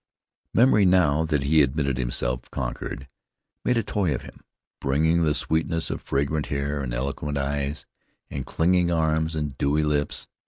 Memory, now that he admitted himself conquered, made a toy of him, bringing the sweetness of fragrant hair, and eloquent eyes, and clinging arms, and dewy lips.